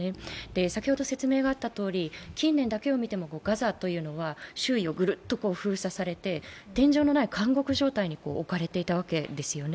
先ほど説明があったように近年だけを見てもガザというのは周囲をぐるっと覆われていて、天井のない監獄状態に置かれていたわけですよね。